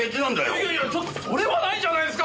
いやいやいやちょっとそれはないじゃないですか